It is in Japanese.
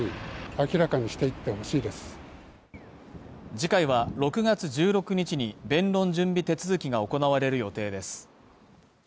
次回は６月１６日に弁論準備手続きが行われる予定です。